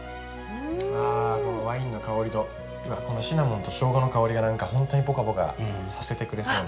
あこのワインの香りとこのシナモンとショウガの香りがほんとにポカポカさせてくれそうな。